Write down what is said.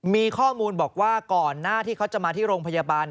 มีข้อมูลบอกว่าก่อนหน้าที่เขาจะมาที่โรงพยาบาล